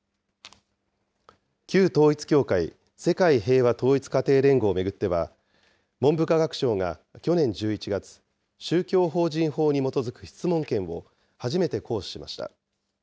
旧統一教会、世界平和統一家庭連合を巡っては、文部科学省が去年１１月、宗教法人法に基づく質問権を初めて行使しました。